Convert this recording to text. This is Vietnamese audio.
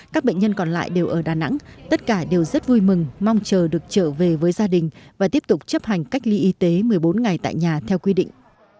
các bệnh nhân còn lại đều ở đà nẵng tất cả đều rất vui mừng mong chờ được trở về với gia đình và tiếp tục chấp hành cách ly y tế một mươi bốn ngày tại nhà theo quy định